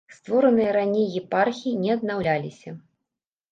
Створаныя раней епархіі не аднаўляліся.